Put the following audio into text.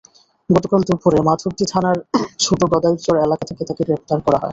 গতকাল দুপুরে মাধবদী থানার ছোট গদাইরচর এলাকা থেকে তাঁকে গ্রেপ্তার করা হয়।